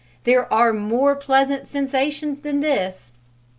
There are more pleasant sensations than this!